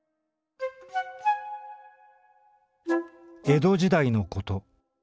「江戸時代のこと。